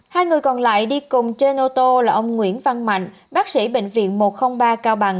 hai người còn lại đi cùng trên ô tô là ông nguyễn văn mạnh bác sĩ bệnh viện một trăm linh ba cao bằng